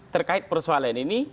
terkait persoalan ini